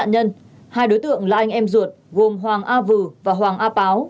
hai đối tượng là anh em ruột gồm hoàng a vư và hoàng a páo